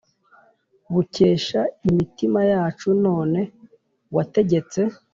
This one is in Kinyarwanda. bukesha imitima yacu. none, wategetse